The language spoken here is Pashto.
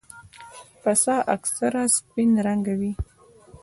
پسه اکثره سپین رنګه وي.